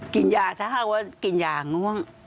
กลิ่นยาถ้าถ้าว่ากลิ่นยาง่วง